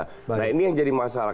nah ini yang jadi masalah